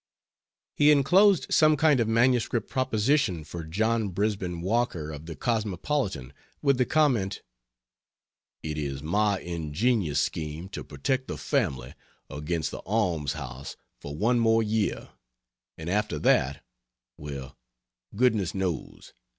He inclosed some kind of manuscript proposition for John Brisben Walker, of the Cosmopolitan, with the comment: "It is my ingenious scheme to protect the family against the alms house for one more year and after that well, goodness knows!